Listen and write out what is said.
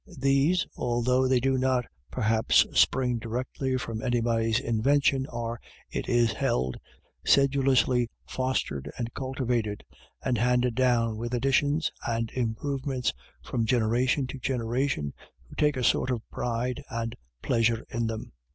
These, although they do not perhaps spring directly from anybody's invention, are, it is held, sedulously fostered and cultivated, and handed down with additions and improvements from generation to generation, who take a sort of pride 949 BA CK WARDS AND FOR WA RDS. 243 and pleasure in them.